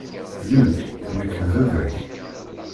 Luke, nekk d baba-k.